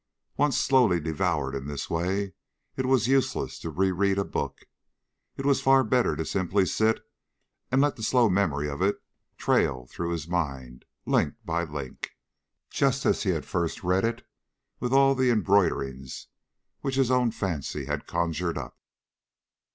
Once slowly devoured in this way, it was useless to reread a book. It was far better to simply sit and let the slow memory of it trail through his mind link by link, just as he had first read it and with all the embroiderings which his own fancy had conjured up.